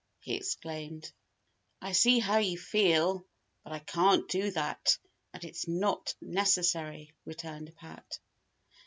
he exclaimed. "I see how you feel, but I can't do that, and it's not necessary," returned Pat.